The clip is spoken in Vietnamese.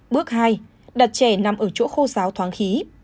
bước hai đặt trẻ nằm ở chỗ khô giáo thoáng khí